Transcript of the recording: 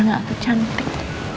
biar gak aku cantik